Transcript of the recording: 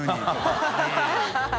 ハハハ